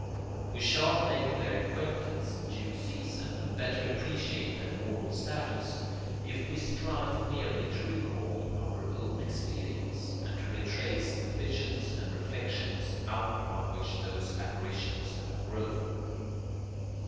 We shall make their acquaintance in due season and better appreciate their moral status, if we strive merely to recall our own experience, and to retrace the visions and reflections out of which those apparitions have grown.